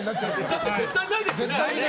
だって絶対ないですよね？